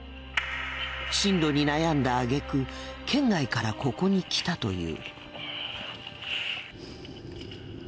進路に悩んだあげく県外からここに来たという。